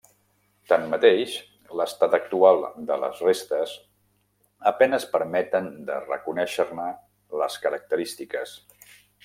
Tanmateix, l'estat actual de les restes a penes permeten de reconèixer-ne les característiques.